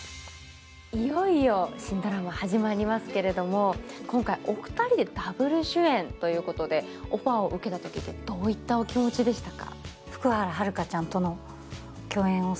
いよいよ新ドラマ、始まりますけれども今回、お二人でダブル主演ということで、オファーを受けたときどういったお気持ちでしたか？